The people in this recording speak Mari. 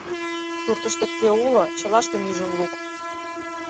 — Суртыштет кӧ уло — чылаштым ӱжын лук.